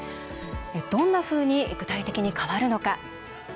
どんなふうに具体的に変わるのか。